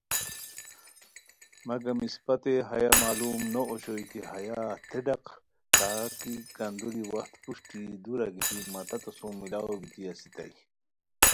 مگم اسپتین ہیہ معلوم نو اوشوئے کی ہیہ ہتے ڈق، کاکی کندُوری وخت پروشٹی دُورا گیتی مہ تتو سُم ملاؤ بیتی اسیتائے